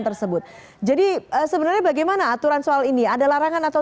ketua dpp pdi perjuangan